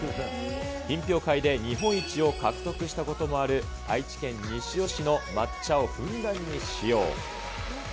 品評会で日本一を獲得したこともある、愛知県西尾市の抹茶をふんだんに使用。